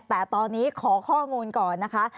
แต่ตอนนี้ขอข้อมูลก่อนนะคะ